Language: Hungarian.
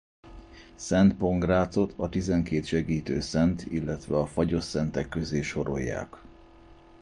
Szent Pongrácot a tizenkét segítő szent, illetve a Fagyosszentek közé sorolják.